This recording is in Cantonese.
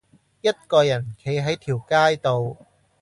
一個人企喺條街度